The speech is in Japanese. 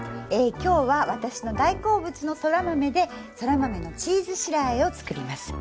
今日は私の大好物のそら豆でそら豆のチーズ白あえをつくります。